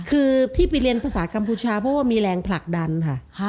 คือที่ไปเรียนภาษากัมพูชาเพราะว่ามีแรงผลักดันค่ะ